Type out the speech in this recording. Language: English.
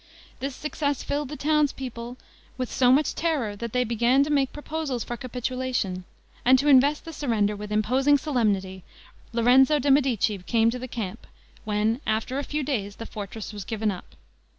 This success filled the townspeople with so much terror, that they began to make proposals for capitulation; and to invest the surrender with imposing solemnity, Lorenzo de' Medici came to the camp, when, after a few days, the fortress was given up.